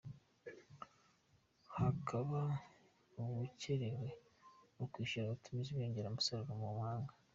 Hakaba ubukererwe mu kwishyura abatumiza inyongeramusaruro mu mahanga.